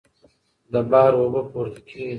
د بحر اوبه پورته کېږي.